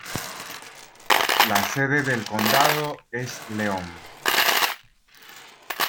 La sede del condado es Leon.